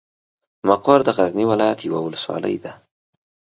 مقر د غزني ولايت یوه ولسوالۍ ده.